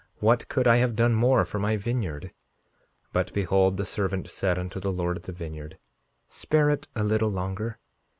What could I have done more for my vineyard? 5:50 But, behold, the servant said unto the Lord of the vineyard: Spare it a little longer.